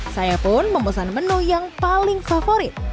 saya pun memesan menu yang paling favorit